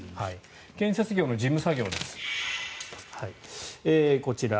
建設業の事務作業です。